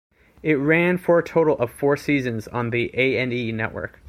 It ran for a total of four seasons on the A and E Network.